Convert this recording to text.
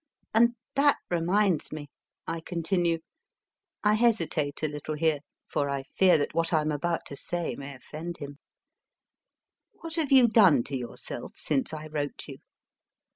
And that reminds me, I continue I hesitate a little here, for I fear what I am about to say may offend him * what have you done to yourself since I wrote you